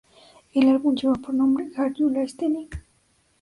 El álbum lleva por nombre "Are you listening?